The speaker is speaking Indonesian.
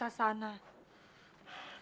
aku sudah mencari kamu